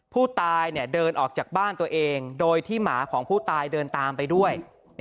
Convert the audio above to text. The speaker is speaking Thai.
ผู้ตายเดินออกจากบ้านตัวเองโดยที่หมาของผู้ตายเดินตามไปด้วย